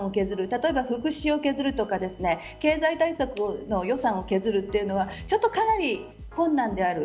例えば福祉を削るとか経済対策の予算を削るというのはかなり困難である。